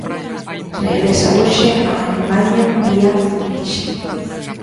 Regresa hoxe a Alemaña vía Zúrich.